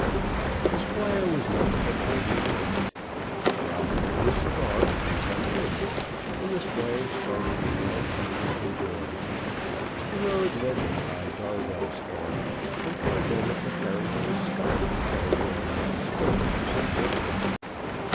The Squire was not kept waiting a moment. Ralph lit his cigar and jumped in, and the Squire started in all comfort and joy. The road led them by Darvell's farm, and for a moment the carriage was stopped that a word might be spoken to some workman.